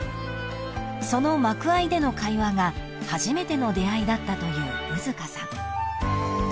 ［その幕あいでの会話が初めての出会いだったという兎束さん］